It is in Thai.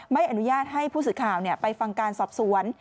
ไม่อนุญาตให้ผู้สื่อข่าวไปฟังการสอบสวน